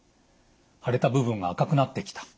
腫れた部分が赤くなってきた。